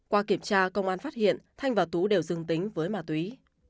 qua kiểm tra công an phát hiện thanh và tú đều dương tính với ma túy